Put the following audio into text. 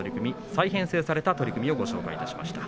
再編成された取組をご紹介しました。